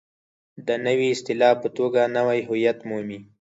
د نوې اصطلاح په توګه نوی هویت مومي.